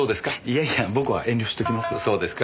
いやいや僕は遠慮しておきます。